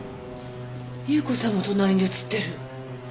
夕子さんも隣に写ってる。